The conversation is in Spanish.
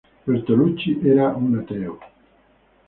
Bertolucci era un ateo.